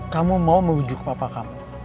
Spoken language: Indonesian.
kamu mau merujuk papa kamu